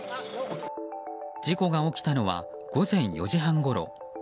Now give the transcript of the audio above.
事故が起きたのは午前４時半ごろ。